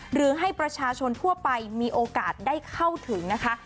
หรือให้ประชาชนทั่วไปมีโอกาสได้เข้าถึงนะคะ